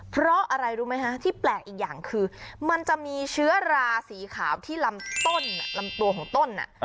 เพราะอะไรรู้ไหมฮะที่แปลกอีกอย่างคือมันจะมีเชื้อราสีขาวที่ลำต้นลำตัวของต้น